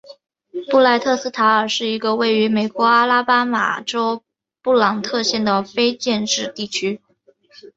布赖特斯塔尔是一个位于美国阿拉巴马州布朗特县的非建制地区。